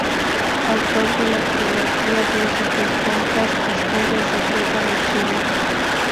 Autor de la trilogía de superventas "Historia secreta de Chile".